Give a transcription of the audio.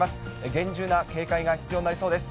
厳重な警戒が必要になりそうです。